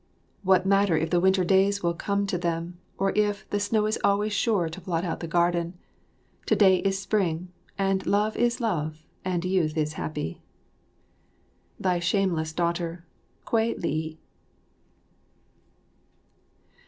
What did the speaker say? What matter if the winter days will come to them or if "the snow is always sure to blot out the garden " to day is spring, and love is love and youth is happy. Thy shameless daughter, Kwei li.